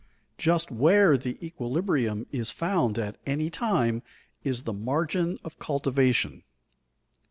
Just where the equilibrium is found at any time is the margin of cultivation.